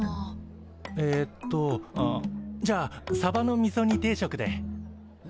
えっとあじゃあサバのみそ煮定食で。